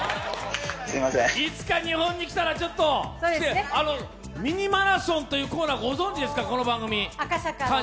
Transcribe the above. いつか日本に来たら「ミニマラソン」というコーナーご存じですか？